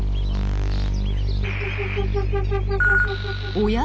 おや？